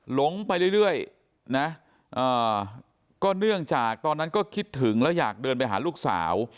หลงไปเรื่อยนะก็เนื่องจากตอนนั้นก็คิดถึงแล้วอยากเดินไปหาลูกสาว